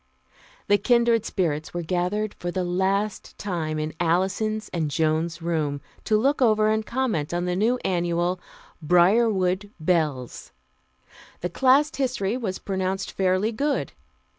The "Kindred Spirits" were gathered for the last time in Alison's and Joan's room, to look over and comment on the new Annual, Briarwood Bells. The class history was pronounced fairly good.